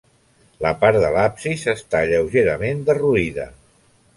La part de l'absis està lleugerament derruïda.